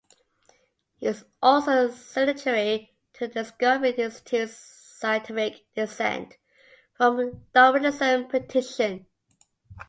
He is also a signatory to the Discovery Institute's Scientific Dissent from Darwinism petition.